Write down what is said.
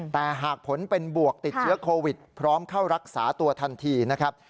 แต่หากผลเป็นบวกติดเชื้อโควิดพร้อมเข้ารักษาตัวทันทีนะครับ